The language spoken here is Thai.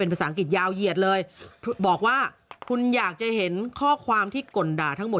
ภาษาอังกฤษยาวเหยียดเลยบอกว่าคุณอยากจะเห็นข้อความที่ก่นด่าทั้งหมด